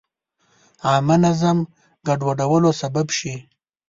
عامه نظم ګډوډولو سبب شي.